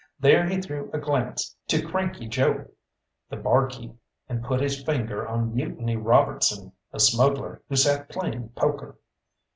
There he threw a glance to Cranky Joe, the bar keep, and put his finger on Mutiny Robertson, a smuggler who sat playing poker.